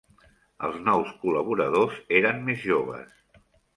Els nous col·laboradors eren més joves.